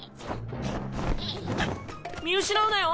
見失うなよ。